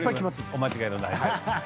お間違いのないように。